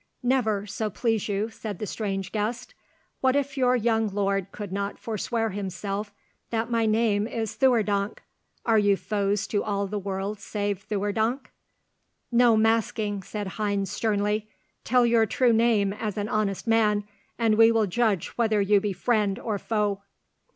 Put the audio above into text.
"Never, so please you," said the strange guest. "What if your young lord could not forswear himself that my name is Theurdank! Are you foes to all the world save Theurdank?" "No masking," said Heinz, sternly. "Tell your true name as an honest man, and we will judge whether you be friend or foe."